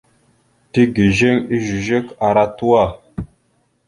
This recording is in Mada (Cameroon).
Tigizeŋ ezœzœk ara tuwa.